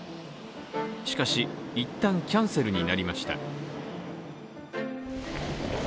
しかし、一旦キャンセルになりました。